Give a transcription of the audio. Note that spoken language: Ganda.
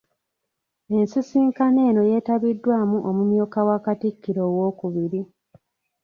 Ensisinkano eno yetabiddwamu omumyuka wa Katikkiro owookubiri.